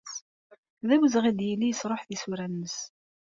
D awezɣi ad yili yesṛuḥ tisura-nnes.